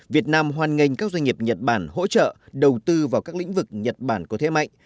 việt nam hoan nghênh các doanh nghiệp nhật bản hỗ trợ đầu tư vào các lĩnh vực nhật bản có thế mạnh